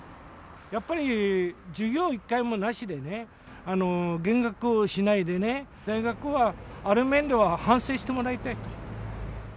やっぱり授業一回もなしでね、減額もしないでね、大学は、ある面では反省してもらいたいと。